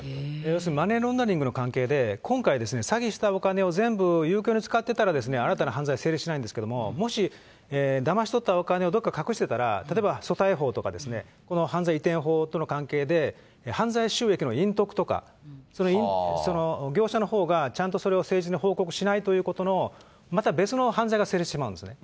要するにマネーロンダリングの関係で、今回、詐欺したお金を全部遊興に使ってたら新たな犯罪は成立しないんですけれども、もしだまし取ったお金をどこか隠してたら、例えばそたい法とか犯罪移転法とかの関係で、犯罪収益の隠匿とか、その業者の方がちゃんとそれを誠実に報告しないと、また別の犯罪が成立してしまうんですね、